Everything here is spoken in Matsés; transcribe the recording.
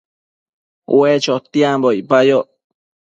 Ue chotiambo icpayoc